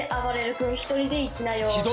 君１人で行きなよ。